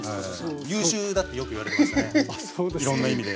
優秀だってよく言われてましたねいろんな意味で。